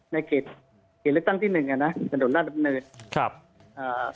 ในเขตเขตเลือกตั้งที่หนึ่งอ่ะนะถนนราชดำเนินครับอ่า